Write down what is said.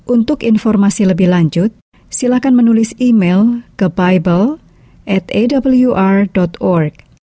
untuk informasi lebih lanjut silakan menulis email ke buible atawr org